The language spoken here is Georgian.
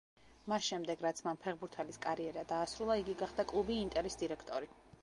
მას შემდეგ რაც მან ფეხბურთელის კარიერა დაასრულა, იგი გახდა კლუბი ინტერის დირექტორი.